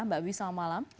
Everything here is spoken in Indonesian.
mbak wiss selamat malam